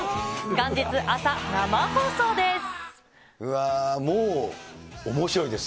元日朝生放送です。